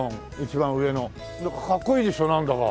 なんかかっこいいでしょなんだか。